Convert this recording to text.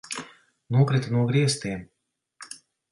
Nokrita no griestiem!